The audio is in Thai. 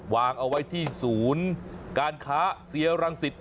วางเอาไว้ที่สูญการค้าเซียลรังศิษย์